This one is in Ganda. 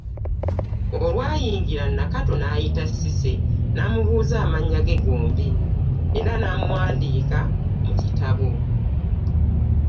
Olwayingira Nakato n'ayita Cissy n'amubuuza amannya ge gombi era n'amuwandiika mu kitabo.